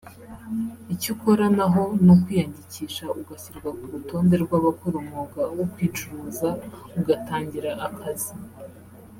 icyo ukora naho ni ukwiyandikisha ugashyirwa ku rutonde rw’ abakora umwuga wo kwicuruza ugatangira akazi